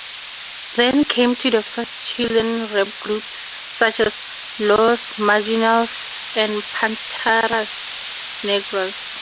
Then came the first Chilean rap groups, such as "Los Marginales" and "Panteras Negras".